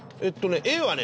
Ａはね